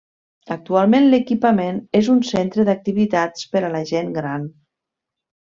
Actualment l'equipament és un centre d'activitats per a la gent gran.